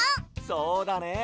そうだね